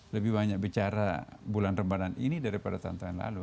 lebih banyak bicara bulan ramadan ini daripada tahun tahun lalu